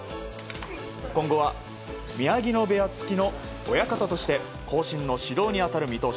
今後は宮城野部屋付きの親方として後進の指導に当たる見通し。